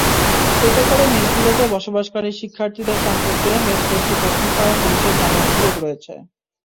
এতে করে মেসগুলোতে বসবাসকারী শিক্ষার্থীদের সম্পর্কে মেস কর্তৃপক্ষসহ পুলিশের জানার সুযোগ রয়েছে।